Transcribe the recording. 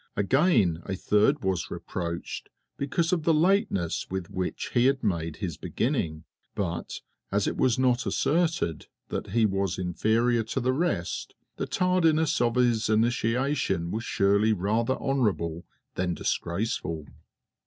Again, a third was reproached because of the lateness with which he had made his beginning; but, as it was not asserted that he was inferior to the rest, the tardiness of his initiation was surely rather honourable than disgraceful!